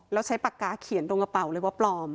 แล้วใช้ปากกาเขียนตรงกระเป๋าเลยว่าปลอม